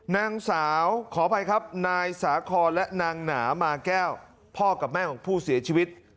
นางสาวขออภัยครับนายสาคอนและนางหนามาแก้วพ่อกับแม่ของผู้เสียชีวิต